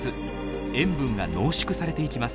塩分が濃縮されていきます。